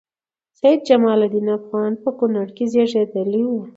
سيدجمال الدين افغان په کونړ کې زیږیدلی وه